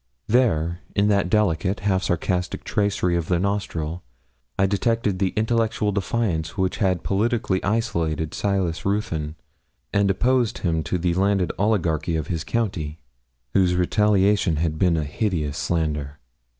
There in that delicate half sarcastic tracery of the nostril I detected the intellectual defiance which had politically isolated Silas Ruthyn and opposed him to the landed oligarchy of his county, whose retaliation had been a hideous slander.